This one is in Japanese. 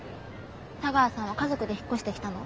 茶川さんは家族で引っ越してきたの？